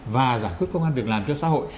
và giải quyết công an việc làm cho xã hội